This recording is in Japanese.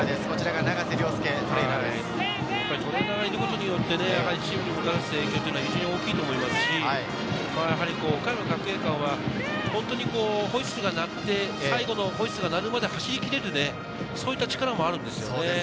トレーナーがいることによって、チームに出す影響というのも非常に大きいと思いますし、岡山学芸館は本当にホイッスルが鳴って、最後のホイッスルが鳴るまで走りきれる、そういった力もあるんですよ。